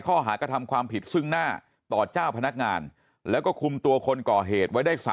ข้อหากระทำความผิดซึ่งหน้าต่อเจ้าพนักงานแล้วก็คุมตัวคนก่อเหตุไว้ได้๓